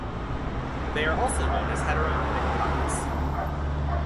They are also known as "heteronymic puns".